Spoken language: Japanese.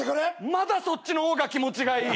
まだそっちの方が気持ちがいい。